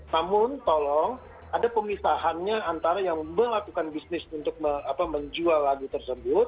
namun tolong ada pemisahannya antara yang melakukan bisnis untuk menjual lagu tersebut